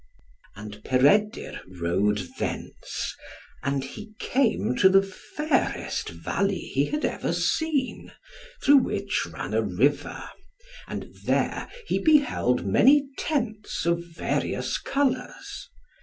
And Peredur rode thence, and he came to the fairest valley he had ever seen, through which ran a river; and there he beheld many tents of various colours.